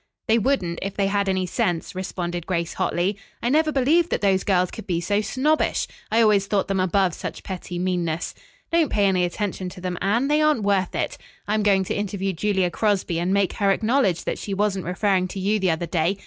"They wouldn't if they had any sense," responded Grace hotly, "I never believed that those girls could be so snobbish. I always thought them above such petty meanness. Don't pay any attention to them, Anne. They aren't worth it. I am going to interview Julia Crosby and make her acknowledge that she wasn't referring to you the other day.